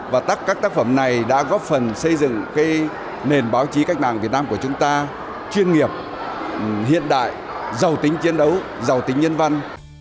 và các tác phẩm này đã góp phần xây dựng nền báo chí cách mạng việt nam của chúng ta chuyên nghiệp hiện đại giàu tính chiến đấu giàu tính nhân văn